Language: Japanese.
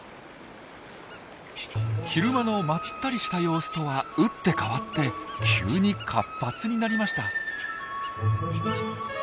昼間のまったりした様子とは打って変わって急に活発になりました。